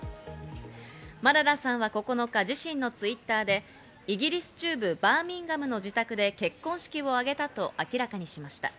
マララさんは９日、自身のＴｗｉｔｔｅｒでイギリス中部バーミンガムの自宅で結婚式を挙げたと明らかにしました。